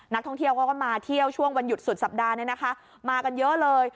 นักท่องเที่ยวเขาก็มาเที่ยวช่วงวันหยุดสุดสัปดาห์นี้นะคะมากันเยอะเลย